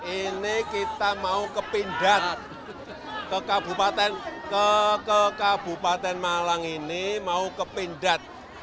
ini kita mau kepindan ke kabupaten malang ini mau ke pindad